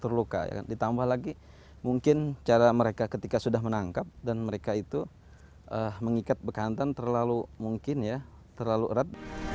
maksudnya kalau ada yang terluka ditambah lagi mungkin cara mereka ketika sudah menangkap dan mereka itu mengikat bekantan terlalu mungkin ya terlalu erat